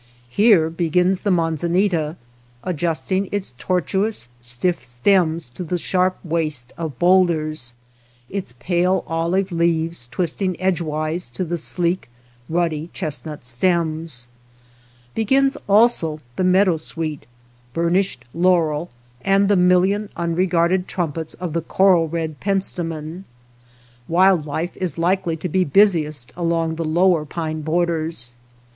Here begins the manzanita, adjusting its tortuous stiff stems to the sharp waste of boulders, its^ale olive leaves twisting edgewise to the sleek, ruddy, chestnut stems ; begins also the meadow sweet, burnished laurel, and the million unregarded trumpets of the coral red pent stemon. Wild life is likely to be busiest about the lower pine borders.